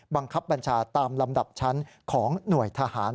บังคับบัญชาตามลำดับชั้นของหน่วยทหาร